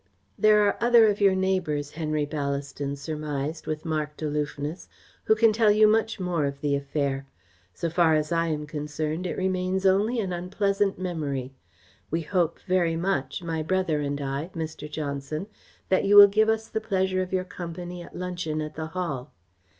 "There are other of your neighbours," Henry Ballaston surmised, with marked aloofness, "who can tell you much more of the affair. So far as I am concerned, it remains only an unpleasant memory. We hope very much my brother and I Mr. Johnson, that you will give us the pleasure of your company at luncheon at the Hall."